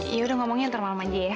ya udah ngomongnya ntar malam aja ya